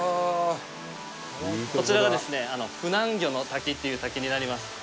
こちらがフナンギョの滝という滝になります。